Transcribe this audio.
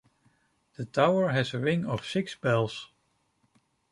The tower has a ring of six bells.